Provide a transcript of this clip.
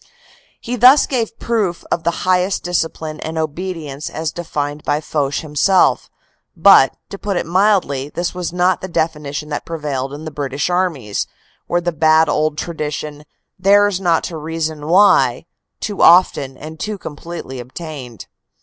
He thus gave proof of the highest discipline and obedience as defined by Foch himself, but, to put it mildly, this was not the definition that prevailed in the British armies, where the bad old tradition, "Theirs not to reason why," too often and THE CORPS COMMANDER 291 too completely obtained.